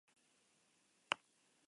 Se le denominó con la letra "I".